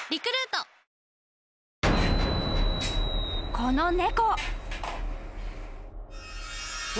［この猫］